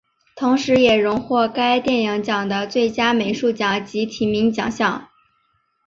同时也荣获该电影奖的最佳美术奖及提名奖项。